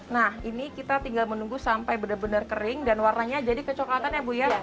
nah ini kita tinggal menunggu sampai benar benar kering dan warnanya jadi kecoklatan ya bu ya